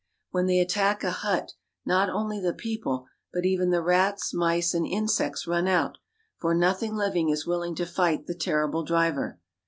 When they attack a hut, not only the people, but even the rats, mice, and insects run out, for nothing living is willing to fight the terrible driver.